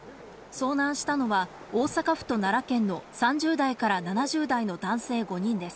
遭難したのは、大阪府と奈良県の３０代から７０代の男性５人です。